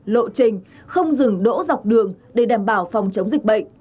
lộ trình không dừng đỗ dọc đường để đảm bảo phòng chống dịch bệnh